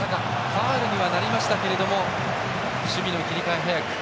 ファウルにはなりましたが守備の切り替え早く。